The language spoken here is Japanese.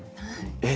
「えっ？